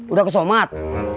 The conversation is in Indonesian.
udah ke somat